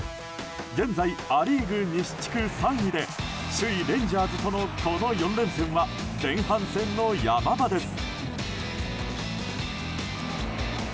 現在、ア・リーグ西地区３位で首位レンジャーズとのこの４連戦は前半戦の山場です。